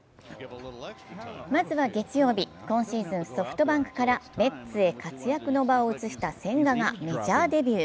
まずは月曜日、今シーズン、ソフトバンクからメッツへ活躍の場を移した千賀がメジャーデビュー。